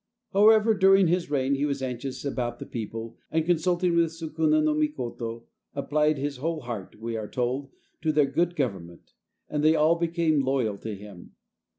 However, during his reign he was anxious about the people, and, consulting with Sukuna no Mikoto, applied "his whole heart," we are told, to their good government, and they all became loyal to him.